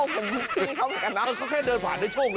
เขาแค่เดินผ่านได้โชคเลยเหรอ